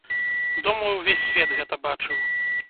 Думаю, увесь свет гэта бачыў.